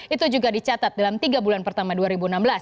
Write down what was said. itu juga dicatat dalam tiga bulan pertama dua ribu enam belas